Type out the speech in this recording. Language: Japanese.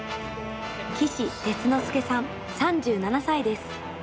岸哲之助さん、３７歳です。